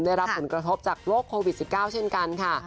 ได้รับผลกระทบจากโรคโควิด๑๙เช่นกันค่ะ